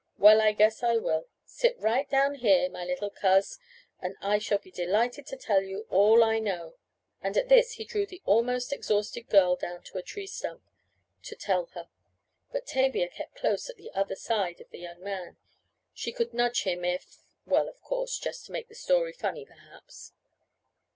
Well I guess I will. Sit right down here, my little Coz, and I shall be delighted to tell you all I know," and at this he drew the almost exhausted girl down to a tree stump, to "tell her." But Tavia kept close at the other side of the young man she could nudge him if well, of course, just to make the story funny perhaps!